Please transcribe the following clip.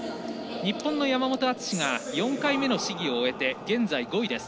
日本の山本篤が４回目の試技を終えて現在５位です。